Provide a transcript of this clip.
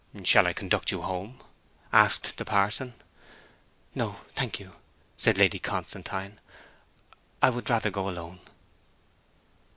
'Shall I conduct you home?' asked the parson. 'No thank you,' said Lady Constantine. 'I would rather go alone.'